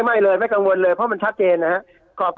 ไม่เลยไม่กังวลเลยเพราะมันชัดเจนนะครับ